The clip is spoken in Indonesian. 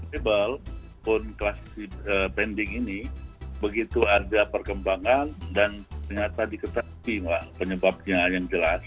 mebel pun kelas pending ini begitu ada perkembangan dan ternyata diketahui penyebabnya yang jelas